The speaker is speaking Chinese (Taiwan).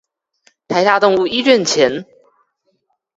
臺大動物醫院前